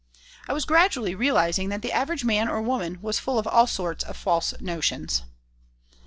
I was gradually realizing that the average man or woman was full of all sorts of false notions.